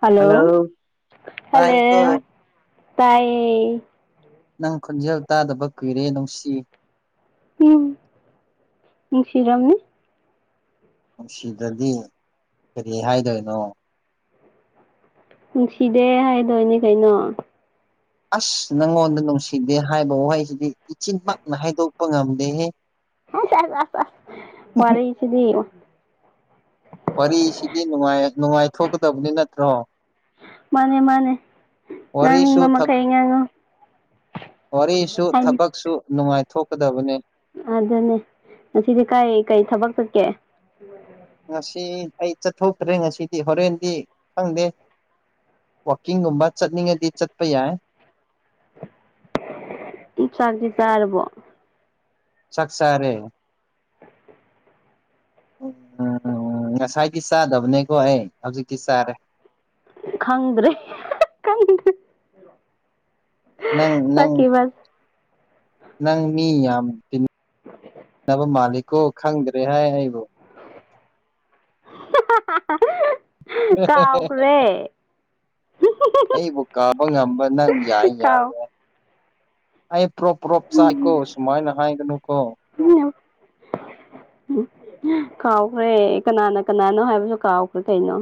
hello hello ꯇꯥꯏꯀꯣ ꯇꯥꯏꯌꯦ ꯅꯪ ꯈꯣꯟꯖꯦꯜ ꯇꯥꯗꯕ ꯀꯨꯏꯔꯦ ꯅꯨꯡꯁꯤ ꯎꯝ ꯅꯨꯡꯁꯤꯔꯝꯅꯤ ꯅꯨꯡꯁꯤꯗꯗꯤ ꯀꯔꯤ ꯍꯥꯏꯗꯣꯏꯅꯣ ꯅꯨꯡꯁꯤꯗꯦ ꯍꯥꯏꯗꯣꯏꯅꯦ ꯀꯩꯅꯣ ꯑꯁ ꯅꯪꯉꯣꯟꯗ ꯅꯨꯡꯁꯤꯗꯦ ꯍꯥꯏꯕ ꯋꯥꯍꯩꯁꯤꯗꯤ ꯏꯆꯤꯟꯃꯛꯅ ꯍꯥꯏꯗꯣꯛꯄ ꯉꯝꯗꯦꯍꯦ ꯑꯁ ꯑꯁ ꯑꯁ ꯑꯁ ꯋꯥꯔꯤꯁꯤꯗꯤ ꯋꯥꯔꯤꯁꯤꯗꯤ ꯅꯨꯡꯉꯥꯏ ꯅꯨꯡꯉꯥꯏꯊꯣꯛꯀꯗꯕꯅꯤ ꯅꯠꯇ꯭ꯔꯣ ꯃꯥꯅꯦ ꯃꯥꯅꯦ ꯋꯥꯔꯤꯁꯨ ꯉꯥꯡꯅꯤꯡꯕ ꯊꯛ ꯃꯈꯩ ꯉꯥꯡꯉꯣ ꯋꯥꯔꯤꯁꯨ ꯍꯥꯏꯅꯤ ꯊꯕꯛꯁꯨ ꯅꯨꯡꯉꯥꯏꯊꯣꯛꯀꯗꯕꯅꯦ ꯑꯗꯨꯅꯦ ꯉꯁꯤꯗꯤ ꯀꯩ ꯀꯩ ꯊꯕꯛ ꯆꯠꯀꯦ [inaudible] ꯉꯁꯤ ꯑꯩ ꯆꯠꯊꯣꯛꯇꯔꯦ ꯉꯁꯤꯗꯤ ꯍꯣꯔꯦꯟꯗꯤ ꯈꯪꯗꯦ ꯋꯥꯛꯀꯤꯡꯒꯨꯝꯕ ꯆꯠꯅꯤꯡꯉꯗꯤ ꯆꯠꯄ ꯌꯥꯏ ꯆꯥꯛꯇꯤ ꯆꯥꯔꯕꯣ ꯆꯥꯛ ꯆꯔꯦ ꯎꯝ ꯉꯁꯥꯏꯗꯤ ꯆꯥꯗꯕꯅꯦꯀꯣ ꯑꯩ ꯍꯧꯖꯤꯛꯇꯤ ꯆꯥꯔꯦ ꯈꯪꯗ꯭ꯔꯦ ꯈꯪꯗꯦ ꯅꯪ ꯅꯪ ꯆꯠꯈꯤꯕ ꯅꯪ ꯃꯤ ꯌꯥꯝ ꯇꯤꯟ ꯅꯕ ꯃꯥꯜꯂꯤꯀꯣ ꯈꯪꯗ꯭ꯔꯦ ꯍꯥꯏ ꯑꯩꯕꯨ [unintelligible] ꯀꯥꯎꯈ꯭ꯔꯦ ꯑꯩꯕꯨ ꯀꯥꯎꯕ ꯉꯝꯕ ꯅꯪ ꯌꯥꯏ ꯌꯥꯏ ꯀꯥꯎ ꯌꯥꯏ ꯑꯩ ꯄ꯭ꯔꯣꯛ ꯄ꯭ꯔꯣꯛ ꯆꯥꯛꯏꯀꯣ ꯁꯨꯃꯥꯏꯅ ꯍꯥꯏꯒꯅꯨ ꯀꯣ ꯎꯝ ꯀꯥꯎꯈ꯭ꯔꯦ ꯀꯅꯥꯅ ꯀꯅꯥꯅꯣ ꯍꯥꯏꯕꯁꯨ ꯀꯥꯎꯈ꯭ꯔꯦ ꯀꯩꯅꯣ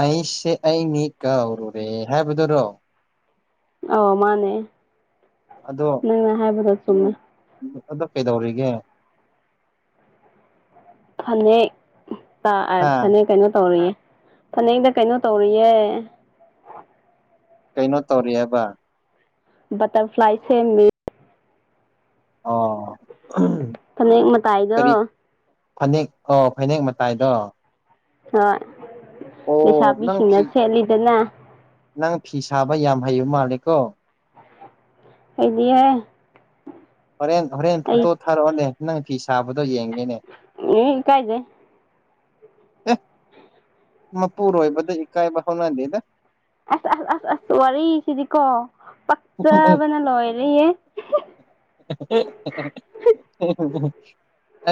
ꯑꯩꯁꯦ ꯑꯩꯅꯤ ꯀꯧꯔꯨꯔꯦ ꯍꯥꯏꯕꯗꯨꯔꯣ ꯑꯥꯎ ꯃꯥꯅꯦ ꯑꯗꯣ ꯅꯪꯅ ꯍꯥꯏꯕꯗꯣ ꯆꯨꯝꯃꯦ [unintelligible] ꯀꯩꯗꯧꯔꯤꯒꯦ ꯐꯅꯦꯛ ꯇ ꯍꯥ ꯐꯅꯦꯛ ꯀꯩꯅꯣ ꯇꯧꯔꯤꯌꯦ ꯐꯅꯛꯇ ꯀꯩꯅꯣ ꯇꯧꯔꯤꯌꯦ ꯀꯩꯅꯣ ꯇꯧꯔꯤ ꯍꯥꯏꯕ ꯕꯥꯠꯇꯔꯐ꯭ꯂꯥꯏ ꯁꯦꯝꯃꯤ ꯑ ꯐꯅꯦꯛ ꯃꯇꯥꯏꯗꯣ ꯀꯔꯤ ꯐꯅꯦꯛ ꯑꯣ ꯐꯅꯦꯛ ꯃꯇꯥꯏꯗꯣ ꯍꯣꯏ ꯑꯣ ꯅꯪ ꯂꯩꯁꯥꯕꯤꯁꯤꯡꯅ ꯐꯤ ꯁꯦꯠꯂꯤꯗꯅ ꯅꯪ ꯐꯤ ꯁꯥꯕ ꯌꯥꯝ ꯍꯩꯕ ꯃꯥꯜꯂꯦ ꯀꯣ ꯍꯩꯗꯤꯌꯦ ꯍꯣꯔꯦꯟ ꯍꯣꯔꯦꯟ ꯐꯣꯇꯣ ꯊꯥꯔꯛꯑꯣꯅꯦ ꯅꯪ ꯐꯤ ꯁꯥꯕꯗꯣ ꯌꯦꯡꯉꯦꯅꯦ ꯏꯀꯥꯏꯖꯩ ꯑꯦ ꯃꯄꯨꯔꯣꯏꯕꯗ ꯏꯀꯥꯏꯕ ꯍꯧꯅꯗꯦꯗ ꯑꯁ ꯑꯁ ꯑꯁ ꯑꯁ ꯋꯥꯔꯤꯁꯤꯗꯤꯀꯣ ꯄꯛꯆꯕꯅ ꯂꯣꯏꯔꯦꯌꯦ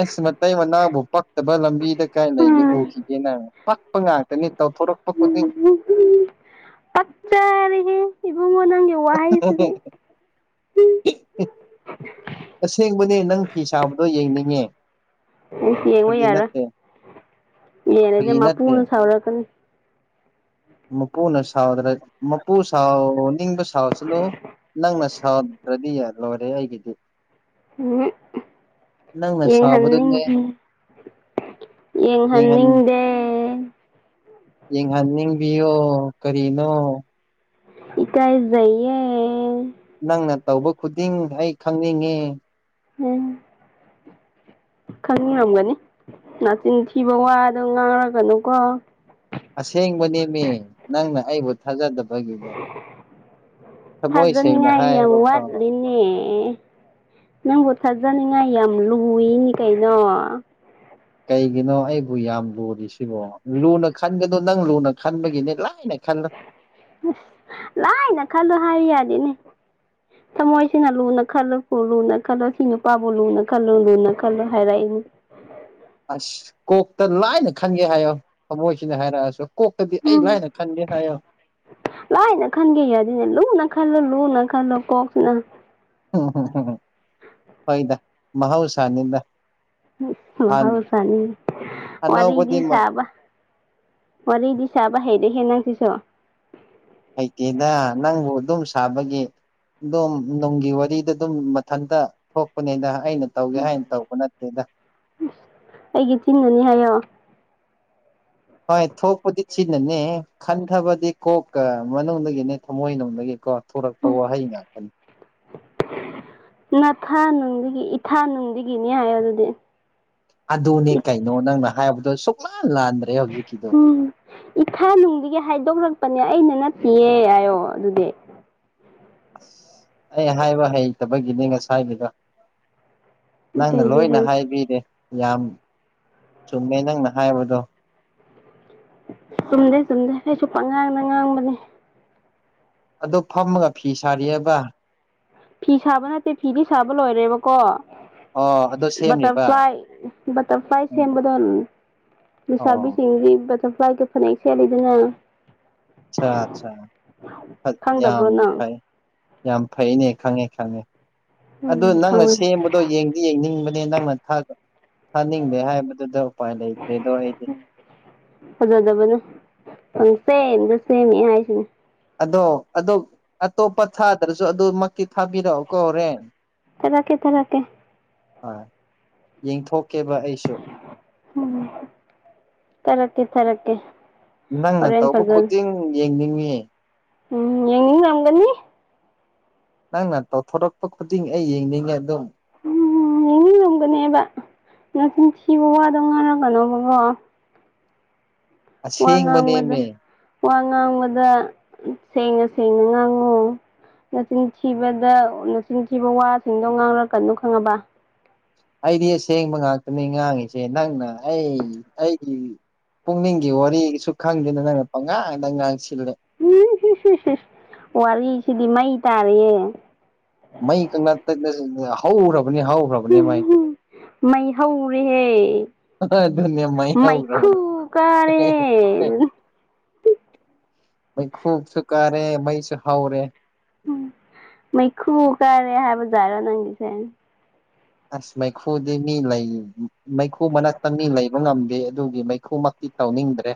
ꯑꯁ ꯃꯇꯩ ꯃꯅꯥꯎꯕꯨ ꯄꯛꯇꯕ ꯂꯝꯕꯤꯗ ꯀꯥꯏ ꯂꯩꯒꯦ ꯎꯈꯤꯒꯦ ꯅꯪ ꯄꯛꯄ ꯉꯥꯛꯇꯅꯤ ꯇꯧꯊꯣꯔꯛꯄ ꯈꯨꯗꯤꯡ ꯄꯛꯆꯔꯤꯍꯦ ꯏꯕꯨꯡꯉꯣ ꯅꯪ ꯌꯣꯡ ꯑꯁꯦꯡꯕꯅꯦ ꯅꯪ ꯐꯤ ꯁꯥꯕꯗꯣ ꯌꯡꯅꯤꯡꯉꯦ ꯌꯦꯡꯕ ꯌꯥꯔꯣꯏ ꯌꯦꯡꯔꯗꯤ ꯐꯥꯒꯤ ꯅꯠꯇꯦ ꯃꯄꯨꯅ ꯁꯥꯎꯔꯛꯀꯅꯤ ꯃꯄꯨꯅ ꯁꯥꯎꯗ꯭ꯔꯦ ꯃꯄꯨ ꯁꯥꯎ ꯅꯤꯡꯕ ꯁꯥꯎꯁꯅꯨ ꯅꯪꯅ ꯁꯥꯎꯗ꯭ꯔꯗꯤ ꯌꯥ ꯂꯣꯏꯔꯦ ꯑꯩꯒꯤꯗꯤ ꯎꯝ ꯅꯪꯅ ꯌꯦꯡꯍꯟ ꯅꯤꯡ ꯁꯥꯎꯕꯗꯨꯅꯦ ꯌꯦꯡꯍꯟ ꯌꯦꯡꯍꯟꯅꯤꯡꯗꯦ ꯌꯦꯡꯍꯟꯅꯤꯡꯕꯤꯌꯣ ꯀꯔꯤꯅꯣ ꯏꯀꯥꯏꯖꯩꯌꯦ ꯅꯪꯅ ꯇꯧꯕ ꯈꯨꯗꯤꯡ ꯑꯩ ꯈꯪꯅꯤꯡꯉꯦ ꯎꯝ ꯈꯪꯔꯝꯒꯅꯤ ꯅꯥꯆꯤꯟꯊꯤꯕ ꯋꯥꯗꯣ ꯉꯥꯡꯔꯉꯅꯨꯀꯣ ꯑꯁꯦꯡꯕ ꯅꯦꯃꯤ ꯅꯪꯅ ꯑꯩꯕꯨ ꯊꯥꯖꯗꯕꯒꯤꯅꯦ ꯊꯃꯣꯏ ꯁꯦꯡꯅ ꯊꯥꯖꯅꯤꯡꯉꯥꯏ ꯌꯥꯝ ꯍꯥꯏꯌꯦꯕꯀꯣ ꯋꯥꯠꯂꯤꯅꯦ ꯅꯪꯕꯨ ꯊꯥꯖꯅꯤꯡꯉꯥꯏ ꯌꯥꯝ ꯂꯨꯏꯅꯤ ꯀꯩꯅꯣ ꯀꯩꯒꯤꯅꯣ ꯑꯩꯕꯨ ꯌꯥꯝ ꯂꯨꯔꯤ ꯁꯤꯕꯣ ꯂꯨꯅ ꯈꯟꯒꯗꯣ ꯅꯪ ꯂꯨꯅ ꯈꯟꯕꯒꯤꯅꯦ ꯂꯥꯏꯅ ꯈꯜꯂꯣ ꯑꯁ ꯂꯥꯏꯅ ꯈꯜꯂꯣ ꯍꯥꯏꯔꯤ ꯌꯥꯗꯤꯅꯦ [unintelligible] ꯇꯃꯣꯏꯁꯤꯅ ꯂꯨꯅ ꯈꯜꯂꯨ ꯂꯨꯅ ꯈꯜꯂꯨ ꯁꯤ ꯅꯨꯄꯥꯕꯨ ꯂꯨꯅ ꯈꯜꯂꯨ ꯂꯨꯅ ꯈꯜꯂꯨ ꯍꯥꯏꯔꯛꯏꯅꯤ ꯑꯁ ꯀꯣꯛꯇ ꯂꯥꯏꯅ ꯈꯟꯒꯦ ꯍꯥꯏꯌꯣ ꯊꯃꯣꯏꯁꯤꯅ ꯍꯥꯏꯔꯛꯑꯁꯨ ꯀꯣꯛꯇꯗꯤ ꯑꯩ ꯎꯝ ꯂꯥꯏꯅ ꯈꯟꯒꯦ ꯍꯥꯏꯌꯣ ꯂꯥꯏꯅ ꯈꯟꯒꯦ ꯌꯥꯗꯦꯅꯦ ꯂꯨꯅ ꯈꯜꯂꯣ ꯂꯨꯅ ꯈꯜꯂꯣ ꯀꯣꯛꯁꯤꯅ ꯍꯣꯏꯗ ꯃꯍꯧꯁꯥꯅꯤꯗ ꯍꯥꯟ ꯃꯍꯥꯎꯁꯅꯤ ꯑꯅꯧꯕꯗꯤ ꯋꯥꯔꯤꯗꯤ ꯁꯥꯕ ꯋꯥꯔꯤꯗꯤ ꯁꯥꯕ ꯍꯩꯔꯦꯍꯦ ꯅꯪꯁꯤꯁꯨ ꯍꯩꯇꯦꯗ ꯅꯪꯕꯨ ꯑꯗꯨꯝ ꯁꯥꯕꯒꯤ ꯑꯗꯨꯝ ꯅꯨꯡꯒꯤ ꯋꯥꯔꯤꯗ ꯑꯗꯨꯝ ꯃꯊꯟꯇ ꯊꯣꯛꯄꯅꯤꯗ ꯑꯩꯅ ꯇꯧꯒꯦ ꯍꯥꯏꯅ ꯇꯧꯕ ꯅꯠꯇꯦꯗ ꯑꯩꯒꯤ ꯆꯤꯟꯅꯅꯤ ꯍꯥꯏꯌꯣ ꯍꯣꯏ ꯊꯣꯛꯄꯗꯤ ꯆꯤꯟꯅꯅꯦ ꯈꯟꯊꯕꯗꯤ ꯀꯣꯛꯀ ꯃꯅꯨꯡꯗꯒꯤꯅꯦ ꯊꯃꯣꯏꯅꯨꯡꯗꯒꯤꯀꯣ ꯊꯣꯔꯛꯄ ꯋꯥꯍꯩ ꯉꯥꯛꯇꯅꯤ ꯅꯊꯥ ꯅꯨꯡꯗꯒꯤ ꯏꯊꯥ ꯅꯨꯡꯗꯒꯤꯅꯦ ꯍꯥꯏꯌꯣ ꯑꯗꯨꯗꯤ ꯑꯗꯨꯅꯦ ꯀꯩꯅꯣ ꯅꯪꯅ ꯍꯥꯏꯕꯗꯣ ꯁꯨꯛꯂꯥꯟ ꯂꯥꯟꯗ꯭ꯔꯦ ꯍꯧꯖꯤꯛꯀꯤꯗꯣ ꯎꯝ ꯏꯊꯥꯅꯨꯡꯗꯒꯤ ꯍꯥꯏꯗꯣꯛꯂꯛꯄꯅꯦ ꯑꯩꯅ ꯅꯠꯇꯦꯌꯦ ꯍꯥꯏꯌꯣ ꯑꯗꯨꯗꯤ ꯑꯩ ꯍꯥꯏꯕ ꯍꯩꯇꯕꯒꯤꯅꯤ ꯉꯁꯥꯏꯗꯨꯗ ꯅꯪꯅ ꯀꯩꯒꯤ ꯂꯣꯏꯅ ꯍꯩ ꯍꯥꯏꯕꯤꯔꯦ ꯌꯥꯝ ꯆꯨꯝꯃꯦ ꯅꯪꯅ ꯍꯥꯏꯕꯗꯣ ꯆꯨꯝꯗꯦ ꯆꯨꯝꯗꯦ ꯑꯩꯁꯨ ꯄꯪꯉꯥꯡꯗ ꯉꯥꯡꯕꯅꯦ ꯑꯗꯣ ꯐꯝꯃꯒ ꯐꯤ ꯁꯥꯔꯤꯑꯕ ꯐꯤ ꯁꯥꯕ ꯅꯠꯇꯦ ꯐꯤꯗꯤ ꯁꯥꯕ ꯂꯣꯏꯔꯦꯕꯀꯣ ꯑꯣ ꯑꯗꯣ ꯁꯦꯝꯔꯤꯕ ꯕꯇꯔꯐ꯭ꯂꯥꯏ ꯕꯇ꯭ꯔꯐꯥ꯭ꯂꯏ ꯎꯝ ꯁꯦꯝꯕꯗꯣ ꯂꯩꯁꯥꯕꯤ ꯑꯣ ꯁꯤꯡꯗꯤ ꯕꯇ ꯕꯇ꯭ꯔꯐ꯭ꯂꯥꯏꯒꯤ ꯐꯅꯦꯛ ꯁꯦꯠꯂꯤꯗꯅ ꯑ ꯑꯆꯥ ꯐ ꯌꯥꯝ ꯈꯪꯗꯕ꯭ꯔꯣ ꯅꯪ ꯐꯥꯏ ꯌꯥꯝ ꯐꯩꯅꯦ ꯈꯪꯉꯦ ꯈꯪꯉꯦ ꯑꯗꯨ ꯎꯝ ꯅꯪꯅ ꯈꯪꯉꯦ ꯁꯦꯝꯕ ꯑꯗꯣ ꯌꯦꯡꯗꯤ ꯌꯦꯡꯅꯤꯡꯕꯅꯦ ꯅꯪꯅ ꯊꯥꯅꯤꯡꯗꯦ ꯍꯥꯏꯕꯗꯨꯗ ꯎꯄꯥꯏ ꯂꯩꯇ꯭ꯔꯦ ꯗꯣ ꯑꯩꯗꯤ ꯐꯖꯗꯕꯅꯦ ꯄꯪꯁꯦꯝꯗ ꯁꯦꯝꯃꯦ ꯍꯥꯏꯁꯤꯅꯦ ꯑꯗꯣ ꯑꯣ ꯑꯇꯣꯞꯄ ꯊꯥꯗ꯭ꯔꯁꯨ ꯑꯗꯨꯃꯛꯇꯤ ꯊꯥꯕꯤꯔꯛꯑꯣ ꯀꯣ ꯍꯣꯔꯦꯟ ꯊꯥꯔꯛꯀꯦ ꯊꯥꯔꯛꯀꯦ ꯍꯣꯏ ꯌꯦꯡꯊꯣꯛꯀꯦꯕ ꯑꯩꯁꯨ ꯎꯝ ꯇꯔꯛꯀꯦ ꯊꯔꯛꯀꯦ ꯅꯪꯅ ꯇꯧꯕ ꯈꯨꯗꯤꯡ ꯌꯦꯡꯅꯤꯡꯏ ꯎꯝ ꯌꯦꯡꯅꯤꯡꯉꯝꯒꯅꯤ ꯅꯪꯅ ꯇꯧꯊꯣꯔꯛꯄ ꯈꯨꯗꯤꯡ ꯑꯩ ꯌꯦꯡꯅꯤꯡꯉꯦ ꯑꯗꯨꯝ ꯎꯝ ꯌꯦꯡꯅꯤꯡꯉꯝꯒꯅꯦꯕ ꯅꯆꯤꯟꯊꯤꯕ ꯋꯥꯗꯣ ꯉꯥꯡꯔꯛꯀꯅꯣꯕꯀꯣ ꯋꯥ ꯉꯥꯡꯕꯗ ꯑꯁꯦꯡꯕꯅꯦꯃꯦ ꯋꯥ ꯉꯥꯡꯕꯗ ꯁꯦꯡꯅ ꯁꯦꯡꯅ ꯉꯥꯡꯉꯨ ꯅꯆꯤꯟ ꯊꯤꯕꯗ ꯅꯆꯤꯟꯊꯤꯕ ꯋꯥꯁꯤꯡꯗꯣ ꯉꯥꯡꯔꯛꯀꯅꯣ ꯈꯪꯉꯕ ꯑꯩꯗꯤ ꯑꯁꯦꯡꯕ ꯉꯥꯛꯇꯅꯤ ꯉꯥꯡꯉꯤꯁꯦ ꯅꯪꯅ ꯑꯩ ꯑꯩꯒꯤ ꯄꯨꯛꯅꯤꯡꯒꯤ ꯋꯥꯔꯤꯁꯨ ꯈꯪꯗꯦꯅ ꯅꯪꯅ ꯄꯪꯉꯥꯡ ꯗ ꯉꯥꯡꯁꯤꯜꯂꯦ ꯎꯝ ꯍ ꯍ ꯋꯥꯔꯤꯁꯤꯗꯤ ꯃꯩ ꯇꯥꯔꯤꯌꯦ ꯃꯩ ꯀꯅ ꯇꯅ ꯍꯧꯔꯕꯅꯤ ꯍꯧꯈ꯭ꯔꯕꯅꯦ ꯃꯩ ꯃꯩꯍꯧꯔꯦꯍꯦ ꯑꯗꯨꯅꯦ ꯃꯩ ꯃꯥꯏꯈꯨ ꯍꯧꯈ꯭ꯔꯕꯅꯤ ꯀꯔꯦ ꯃꯩꯈꯨꯁꯨꯨ ꯀꯥꯔꯦ ꯃꯩꯁꯨ ꯍꯧꯔꯦ ꯎꯝ ꯃꯩꯈꯨ ꯀꯔꯦ ꯍꯥꯏꯕ ꯖꯥꯠꯔ ꯅꯪꯒꯤꯁꯦ ꯑꯁ ꯃꯩꯈꯨꯗꯤ ꯃꯤ ꯂꯩ ꯃꯩꯈꯨ ꯃꯅꯥꯛꯇ ꯃꯤ ꯂꯩꯕ ꯉꯝꯗꯦ ꯑꯗꯨꯒꯤ ꯃꯩꯈꯨ ꯇꯧꯅꯤꯡꯗ꯭ꯔꯦ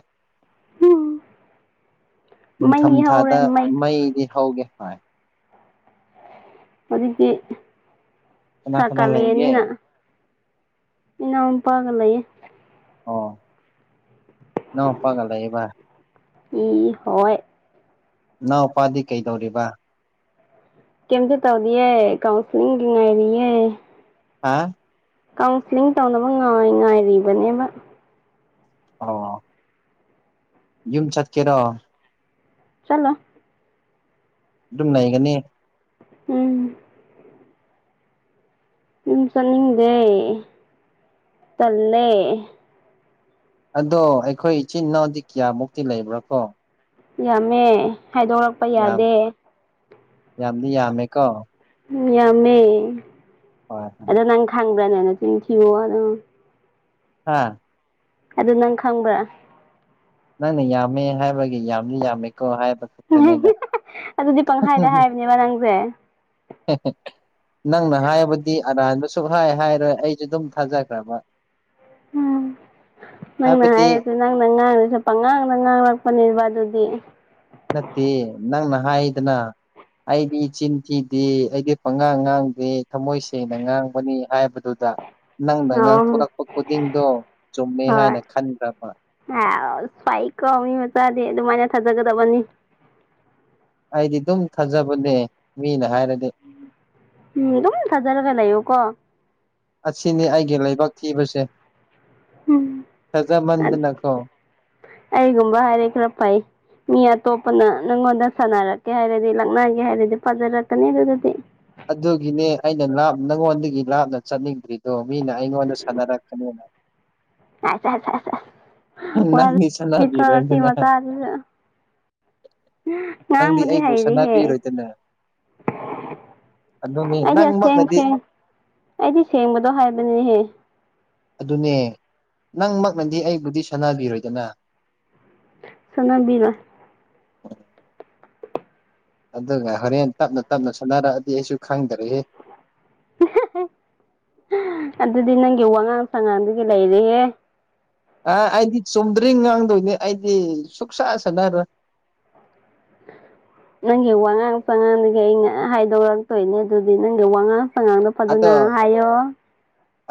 ꯅꯤꯡꯊꯝ ꯃꯩ ꯊꯥꯗ ꯍꯧꯔꯦ ꯃꯩ ꯃꯩꯗꯤ ꯍꯧꯒꯦ ꯍꯥꯏ ꯍꯧꯖꯤꯛꯇꯤ ꯀꯅꯥ ꯀꯅꯥ ꯂꯩꯒꯦ ꯁꯀꯥꯂꯦꯟꯅꯤꯅ ꯏꯅꯥꯎꯄꯥꯒ ꯂꯩꯌꯦ ꯑꯣ ꯏꯅꯧꯄꯒꯂꯩꯌꯦꯕ ꯏ ꯍꯣꯏ ꯅꯥꯎꯄꯥꯗꯤ ꯀꯩꯗꯧꯔꯤꯕ ꯀꯦꯝꯇ ꯇꯧꯥꯗꯤꯑꯦ ꯀꯥꯎꯟꯁ꯭ꯂꯤꯡꯒꯤ ꯉꯥꯏꯔꯤꯌꯦ ꯍꯥ ꯀꯥꯎꯟꯁꯤꯂꯤꯡ ꯇꯧꯅꯕ ꯉꯥꯏꯔꯤꯕꯅꯦꯕ ꯑꯣ ꯌꯨꯝ ꯆꯠꯀꯦꯔꯣ ꯆꯠꯂꯣꯏ ꯗꯨꯝ ꯂꯩꯒꯅꯤ ꯎꯝ ꯌꯨꯝ ꯆꯠꯅꯤꯡꯗꯦ ꯇꯟꯂꯦ ꯑꯗꯣ ꯑꯩꯈꯣꯏ ꯏꯆꯤꯟ ꯏꯅꯥꯎꯗꯤ ꯀꯌꯥꯃꯨꯛꯇꯤ ꯂꯩꯕ꯭ꯔꯥꯀꯣ ꯌꯥꯝꯃꯦ ꯍꯥꯏꯗꯣꯔꯛꯄ ꯌꯥꯝ ꯌꯥꯗꯦ ꯌꯥꯝꯗꯤ ꯌꯥꯝꯃꯦꯀꯣ ꯍꯨꯝ ꯌꯥꯝꯃꯦ ꯍꯣꯏ ꯑꯗꯣ ꯅꯪ ꯈꯪꯕ꯭ꯔꯥꯅꯦ ꯅꯆꯤꯟ ꯊꯤꯌꯣ ꯑꯗ ꯑꯥ ꯑꯗꯨ ꯅꯪ ꯈꯪꯕ꯭ꯔꯥ ꯅꯪꯅ ꯌꯥꯝꯃꯦ ꯍꯥꯏꯕꯒꯤ ꯌꯥꯝꯗꯤ ꯌꯥꯝꯃꯦꯀꯣ ꯍꯥꯏꯕ ꯈꯛꯇꯅꯤꯗ ꯑꯗꯨꯗꯤ ꯄꯪꯈꯥꯏꯗ ꯍꯥꯏꯕꯅꯦꯕ ꯅꯪꯖꯦ [unintelligible] ꯅꯪꯅ ꯍꯥꯏꯕꯗꯤ ꯑꯔꯥꯟꯕ ꯁꯨꯛꯍꯥꯏ ꯍꯥꯏꯔꯣꯏ ꯑꯩꯖꯨ ꯗꯨꯝ ꯊꯥꯖꯈ꯭ꯔꯕ ꯍꯨꯝ ꯅꯪꯅ ꯍꯥꯏꯕꯗꯤ ꯍꯥꯏꯔꯖꯨ ꯅꯪꯅ ꯉꯥꯡꯔꯁꯨ ꯄꯪꯉꯥꯡꯗ ꯉꯥꯡꯔꯛꯄꯅꯦꯕ ꯑꯗꯨꯗꯤ ꯅꯠꯇꯦ ꯅꯪꯅ ꯍꯥꯏꯗꯅ ꯑꯩꯗꯤ ꯆꯤꯟ ꯊꯤꯗꯦ ꯑꯩꯗꯤ ꯄꯉꯥꯡ ꯉꯥꯡꯗꯦ ꯊꯝꯃꯣꯏ ꯁꯦꯡꯅ ꯉꯥꯡꯕꯅꯤ ꯍꯥꯏꯕꯗꯨ ꯗ ꯅꯪꯅ ꯑꯣ ꯉꯥꯡꯊꯣꯔꯛꯄ ꯈꯨꯗꯤꯡꯗꯣ ꯆꯨꯝꯃꯦ ꯍꯣꯏ ꯍꯥꯏꯅ ꯈꯟꯈ꯭ꯔꯕ [unintelligible] ꯐꯩꯀꯣ ꯃꯤ ꯃꯆꯥꯗꯤ ꯑꯗꯨꯃꯥꯏꯅ ꯊꯥꯖꯒꯗꯕꯅꯤ ꯑꯩꯗꯤ ꯗꯨꯝ ꯊꯥꯖꯕꯅꯦ ꯃꯤꯅ ꯍꯥꯏꯔꯗꯤ ꯃꯤ ꯑꯗꯨꯝ ꯊꯖꯔꯒ ꯂꯩꯌꯨꯀꯣ ꯑꯁꯤꯅꯤ ꯑꯩꯒꯤ ꯂꯥꯏꯕꯛ ꯊꯤꯕꯁꯦ ꯎꯝ ꯊꯖꯃꯟꯗꯅꯀꯣ ꯑꯩꯒꯨꯝꯕ ꯍꯥꯏꯔꯦ ꯈꯔ ꯐꯩ ꯃꯤ ꯑꯇꯣꯞꯄꯅ ꯅꯪꯉꯣꯟꯗ ꯁꯥꯟꯅꯔꯛꯀꯦ ꯍꯥꯏꯔꯗꯤ ꯂꯛꯅꯒꯦ ꯍꯥꯏꯔꯗꯤ ꯐꯖꯔꯛꯀꯅꯤ ꯑꯗꯨꯗꯗꯤ ꯑꯗꯨꯒꯤꯅꯦ ꯑꯩꯅꯥ ꯂꯥꯞ ꯅꯪꯉꯣꯟꯗꯒꯤ ꯂꯥꯞꯅ ꯆꯠꯅꯤꯡꯗ꯭ꯔꯤꯗꯣ ꯃꯤꯅ ꯑꯩꯉꯣꯟꯗ ꯁꯥꯟꯅꯔꯛꯀꯅꯦꯅ [unintelligible] ꯁꯦꯁ ꯋꯔꯛ ꯅꯪꯗꯤ ꯅꯤꯀꯣ ꯁꯤ ꯁꯥꯟꯅꯕꯤꯔꯣꯏꯗꯅ ꯃꯆꯥ [unintelligible] ꯅꯪꯗꯤ ꯅꯥꯡꯕꯗꯤ ꯑꯩꯕꯨ ꯍꯩꯔꯤꯍꯦ ꯁꯥꯟꯅꯕꯤꯔꯣꯏꯗꯅ ꯑꯗꯨꯅꯤ ꯑꯩꯗꯤ ꯑꯁꯦꯡ ꯅꯪꯃꯛꯅꯗꯤ ꯁꯦꯡ ꯑꯩꯗꯤ ꯁꯦꯡꯕꯗꯣ ꯍꯥꯏꯕꯅꯤꯍꯦ ꯑꯗꯨꯅꯦ ꯅꯪꯃꯛꯅꯗꯤ ꯑꯩꯕꯨꯗꯤ ꯁꯥꯅꯕꯤꯔꯣꯏꯗꯅ ꯁꯥꯅꯕꯤꯔꯣꯏ ꯑꯗꯨꯒ ꯍꯣꯔꯦꯟ ꯇꯞꯅ ꯇꯞꯅ ꯁꯥꯟꯅꯔꯛꯑꯗꯤ ꯑꯩꯁꯨ ꯈꯪꯗꯔꯦꯍꯦ ꯑꯗꯨꯗꯤ ꯅꯪꯒꯤ ꯋꯥꯉꯥꯡ ꯁꯉꯥꯡꯗꯨꯒꯤ ꯂꯩꯔꯦꯍꯦ ꯑ ꯑꯩꯗꯤ ꯆꯨꯝꯗ꯭ꯔꯤ ꯉꯥꯡꯗꯣꯏꯅꯤ ꯑꯩꯗꯤ ꯁꯨꯛꯁꯥ ꯁꯥꯟꯅꯔꯣꯏ ꯅꯪꯒꯤ ꯋꯥꯉꯥꯡ ꯁꯉꯥꯡꯗꯒꯤ ꯑꯩꯅ ꯍꯥꯏꯗꯣꯔꯛꯇꯣꯏꯅꯦ ꯑꯗꯨꯗꯤ ꯅꯪꯒꯤ ꯋꯥꯉꯥꯡ ꯁꯉꯥꯡꯗꯣ ꯑꯗꯨꯅ ꯑꯗꯣ ꯍꯥꯏꯌꯣ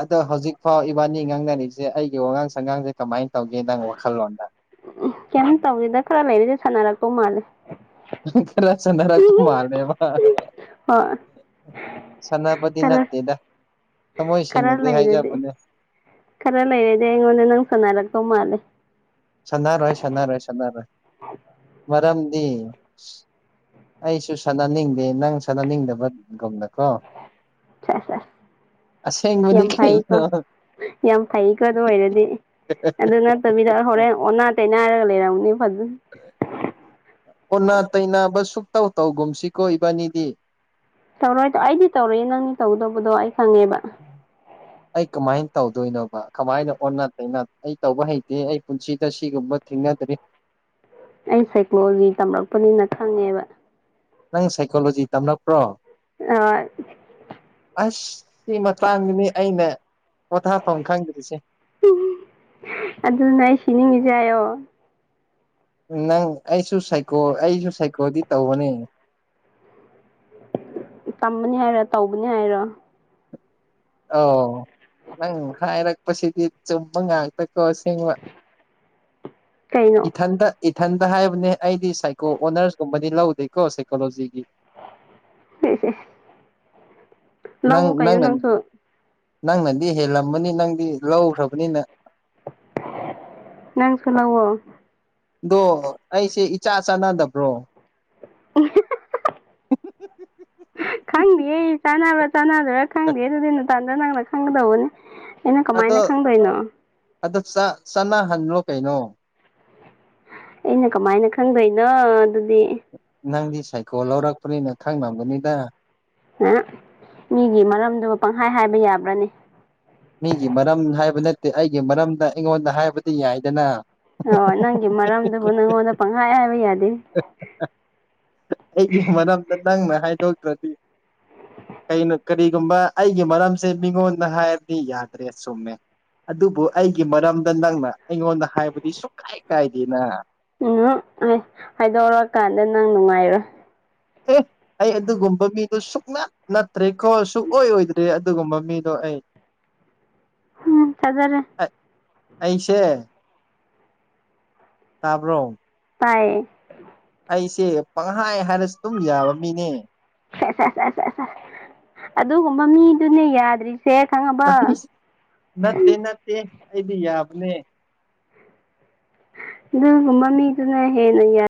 ꯑꯗꯣ ꯍꯧꯖꯤꯛꯐꯥꯎ ꯏꯕꯥꯅꯤ ꯉꯥꯡꯅꯔꯤꯕꯁꯦ ꯑꯩꯒꯤ ꯋꯥꯉꯥꯡ ꯁꯪꯉꯥꯡꯖꯦ ꯀꯃꯥꯏꯟ ꯇꯧꯒꯦ ꯅꯪ ꯋꯥꯈꯜꯂꯣꯟꯗ [unintelligible] ꯀꯩꯝ ꯇꯧꯗꯦꯗ ꯈꯔ ꯂꯩꯔꯗꯤ ꯁꯥꯅꯔꯛꯇꯧ ꯃꯥꯜꯂꯦ ꯈꯔ ꯁꯥꯅꯔꯛꯇꯧ ꯃꯥꯜꯂꯦꯕ ꯍꯣꯏ ꯁꯥꯅꯕꯗꯤ ꯈꯔ ꯅꯠꯇꯦꯗ ꯊꯃꯣꯏ ꯈꯔ ꯁꯦꯡꯅꯗꯤ ꯂꯩꯔꯗꯤ ꯍꯥꯏꯖꯕꯅꯦ ꯈꯔ ꯂꯩꯔꯗꯤ ꯑꯩꯉꯣꯟ ꯅꯪ ꯁꯅꯔꯛꯇꯧ ꯃꯥꯜꯂꯦ ꯁꯥꯅꯔꯣꯏ ꯁꯥꯅꯔꯣꯏ ꯁꯥꯅꯔꯣꯏ ꯃꯔꯝꯗꯤ ꯑꯩꯁꯨ ꯁꯅꯅꯤꯡꯗꯦ ꯅꯪ ꯁꯅꯅꯤꯡꯗꯕꯒꯨꯝꯅꯀꯣ ꯁꯦꯁ ꯁꯦꯁ ꯑꯁꯦꯡꯕꯗꯤ ꯌꯥꯝ ꯀꯩꯅꯣ ꯐꯩꯀꯣ ꯌꯥꯝ ꯐꯩꯀꯣ ꯑꯗꯨ ꯑꯣꯏꯔꯗꯤ ꯑꯗꯨ ꯅꯠꯇꯕꯤꯗ ꯍꯣꯔꯦꯟ ꯑꯣꯅꯥ ꯇꯩꯅꯥꯔꯒ ꯂꯩꯔꯝꯒꯅꯤ ꯐꯖ ꯑꯣꯟꯅ ꯇꯩꯅꯕ ꯁꯨꯛꯇꯧ ꯇꯧꯒꯨꯝꯁꯤꯀꯣ ꯏꯕꯥꯅꯤꯗꯤ ꯇꯧꯔꯣꯏꯗ ꯑꯩꯗꯤ ꯇꯧꯔꯛꯑꯦ ꯅꯪꯗꯤ ꯇꯧꯗꯧꯕꯗꯣ ꯑꯩ ꯈꯪꯉꯦꯕ [inaudible] ꯑꯩ ꯀꯃꯥꯏꯟ ꯇꯧꯗꯣꯏꯅꯣꯕ ꯀꯃꯥꯏꯅ ꯑꯣꯟꯅ ꯇꯩꯅ ꯑꯩ ꯇꯧꯕ ꯍꯩꯇꯦ ꯑꯩ ꯄꯨꯟꯁꯤꯗ ꯁꯤꯒꯨꯝꯕ ꯊꯦꯡꯅꯗ꯭ꯔꯤ ꯑꯩ ꯁꯥꯏꯀꯣꯂꯣꯖꯤ ꯇꯝꯔꯛꯄꯅꯤꯅ ꯈꯪꯉꯦꯕ ꯅꯪ ꯁꯥꯏꯀꯣꯂꯣꯖꯤ ꯇꯝꯂꯛꯄ꯭ꯔꯣ ꯑꯥ ꯑꯁ ꯁꯤ ꯃꯇꯥꯡꯁꯤꯅꯤ ꯑꯩꯅ ꯄꯣꯊꯥꯐꯝ ꯈꯪꯗ꯭ꯔꯤꯁꯦ ꯑꯗꯨꯅꯦ ꯑꯩ ꯁꯤꯅꯤꯡꯉꯤꯁꯦ ꯍꯥꯏꯌꯣ ꯅꯪ ꯑꯩꯁꯨ ꯁꯥꯏꯀꯣ ꯑꯩꯁꯨ ꯁꯥꯏꯀꯣꯜꯗꯤ ꯇꯧꯕꯅꯦ ꯇꯝꯕꯅꯤ ꯍꯥꯏꯔꯣ ꯇꯧꯕꯅꯤ ꯍꯥꯏꯔꯣ ꯑꯧ ꯅꯪ ꯍꯥꯏꯔꯛꯄꯁꯤꯗꯤ ꯆꯨꯝꯕ ꯉꯥꯛꯇꯀꯣ ꯑꯁꯦꯡꯕ [inaudible] ꯀꯩꯅꯣ ꯏꯊꯟꯗ ꯏꯊꯟꯗ ꯍꯥꯏꯕꯅꯦ ꯑꯩꯗꯤ ꯁꯥꯏꯀꯣꯜ ꯑꯣꯅꯔꯁꯀꯨꯝꯕꯗꯤ ꯂꯧꯗꯦꯀꯣ ꯁꯥꯏꯀꯣꯂꯣꯖꯤꯒꯤ ꯏꯁ ꯏꯁ ꯅꯪ ꯅꯪꯅ ꯅꯪꯅꯗꯤ ꯍꯦꯜꯂꯝꯃꯅꯤ ꯅꯪꯗꯤ ꯂꯧꯈ꯭ꯔꯕꯅꯤꯅ ꯅꯪ ꯂꯧꯑꯣ ꯑꯗꯣ ꯑꯩꯁꯦ ꯏꯆꯥ ꯆꯥꯟꯅꯗꯕ꯭ꯔꯣ [unintelligible] ꯈꯪꯗꯦꯌꯦ ꯆꯥꯟꯅꯕ꯭ꯔꯥ ꯆꯥꯗ꯭ꯔꯥ ꯈꯪꯗꯦ ꯑꯗꯨꯗꯤ ꯅꯨꯡꯊꯟꯗ ꯅꯪꯅ ꯈꯪꯒꯗꯧꯕꯅꯤ ꯑꯩꯅ ꯑꯗꯣ ꯀꯃꯥꯏꯅ ꯈꯪꯗꯣꯏꯅꯣ ꯑꯗꯣ ꯆꯥ ꯆꯥꯟꯅꯍꯜꯣ ꯀꯩꯅꯣ ꯑꯩꯅ ꯀꯃꯥꯏꯅ ꯈꯪꯗꯣꯏꯅꯣ ꯑꯗꯨꯗꯤ ꯅꯪꯗꯤ ꯁꯥꯏꯀꯣꯜ ꯂꯧꯔꯛꯄꯅꯤꯅ ꯈꯪꯉꯝꯒꯅꯤꯗ ꯍꯦ ꯃꯤꯒꯤ ꯃꯔꯝꯗꯨ ꯄꯪꯍꯥꯏ ꯍꯥꯏꯕ ꯌꯕ꯭ꯔꯥꯅꯦ ꯃꯤꯒꯤ ꯃꯔꯝ ꯍꯥꯏꯕ ꯅꯠꯇꯦ ꯑꯩꯒꯤ ꯃꯔꯝꯗ ꯑꯩꯉꯣꯟꯗ ꯍꯥꯏꯕꯗꯤ ꯌꯥꯏꯗꯅ ꯑꯣ ꯅꯪꯒꯤ ꯃꯔꯝꯗꯨꯕꯨ ꯅꯪꯉꯣꯟꯗ ꯄꯪꯍꯥꯏ ꯍꯥꯏꯕ ꯌꯥꯗꯦ ꯑꯩꯒꯤ ꯃꯔꯝꯗ ꯅꯪꯅ ꯍꯥꯏꯗꯣꯛꯇ꯭ꯔꯗꯤ ꯑꯩꯅ ꯀꯔꯤꯒꯨꯝꯕ ꯑꯩꯒꯤ ꯃꯔꯝꯁꯦ ꯃꯤꯉꯣꯟꯗ ꯍꯥꯏꯔꯗꯤ ꯌꯥꯗ꯭ꯔꯦ ꯆꯨꯝꯃꯦ ꯑꯗꯨꯕꯨ ꯑꯩꯒꯤ ꯃꯔꯝꯗ ꯅꯪꯅ ꯑꯩꯉꯣꯟꯗ ꯍꯥꯏꯕꯗꯤ ꯁꯨꯀꯥꯏ ꯀꯥꯏꯗꯦꯅ ꯎꯝ ꯑꯦ ꯍꯥꯏꯗꯣꯔꯛ ꯀꯥꯟꯗ ꯅꯪ ꯅꯨꯡꯉꯥꯏꯔꯣꯏ ꯑꯦ ꯑꯩ ꯑꯗꯨꯒꯨꯝꯕ ꯃꯤꯗꯣ ꯁꯨꯛꯅꯠ ꯅꯠꯇ꯭ꯔꯦꯀꯣ ꯁꯨꯡꯑꯣꯏ ꯑꯣꯏꯗ꯭ꯔꯤ ꯑꯗꯨꯒꯨꯝꯕ ꯃꯤꯗꯣ ꯑꯩ [inaudible] ꯎꯝ ꯊꯥꯖꯔꯦ ꯑꯦ ꯑꯩꯁꯦ ꯇꯥꯕ꯭ꯔꯣ ꯇꯥꯏꯌꯦ ꯑꯩꯁꯤ ꯄꯪꯍꯥꯏ ꯍꯥꯏꯔꯁꯨ ꯑꯗꯨꯝ ꯌꯥꯕ ꯃꯤꯅꯦ ꯑꯁ ꯑꯁ ꯑꯁ ꯑꯗꯨꯒꯨꯝꯕ ꯃꯤꯗꯨꯅꯦ ꯌꯥꯗ꯭ꯔꯤ ꯁꯦ ꯈꯪꯉꯕ ꯑꯦ ꯑꯩꯗꯤ ꯌꯥꯕꯅꯦ ꯑꯗꯨꯒꯨꯝꯕ ꯃꯤꯗꯨꯅ ꯍꯦꯟꯅ ꯌꯥꯏ